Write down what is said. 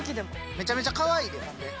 めちゃめちゃかわいいでほんで。